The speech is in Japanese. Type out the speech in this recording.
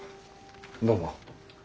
どうも。